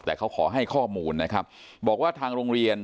แต่เขาขอให้ข้อมูลนะครับบอกว่าทางโรงเรียน